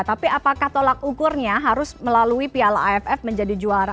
tapi apakah tolak ukurnya harus melalui piala aff menjadi juara